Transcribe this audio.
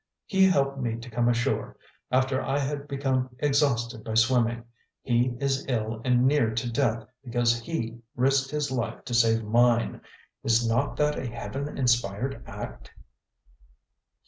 He helped me to come ashore, after I had become exhausted by swimming. He is ill and near to death, because he risked his life to save mine. Is not that a heaven inspired act?"